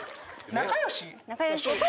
仲良し。